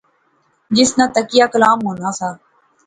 جس نا تکیہ کلام ہونا سا